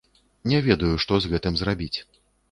Не ведаю, што з гэтым зрабіць.